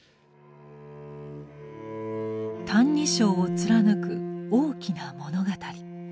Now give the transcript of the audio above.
「歎異抄」を貫く「大きな物語」。